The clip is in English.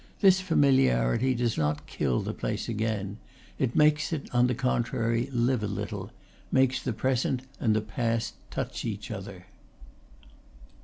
This familiarity does not kill the place again; it makes it, on the contrary, live a little, makes the present and the past touch each other.